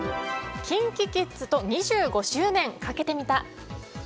ＫｉｎＫｉＫｉｄｓと２５周年かけてみた。